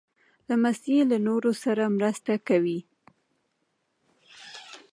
لمسی له نورو سره مرسته کوي.